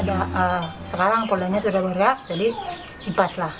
udah sekarang polanya sudah bergerak jadi ibas lah